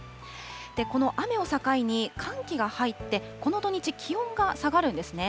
この雨を境に寒気が入って、この土日、気温が下がるんですね。